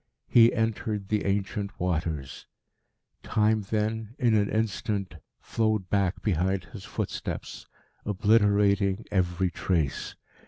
He entered the ancient waters. Time then, in an instant, flowed back behind his footsteps, obliterating every trace.